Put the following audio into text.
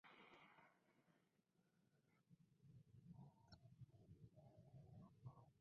Realizó dibujos de las piezas, y permitió que otros artistas las estudiaran.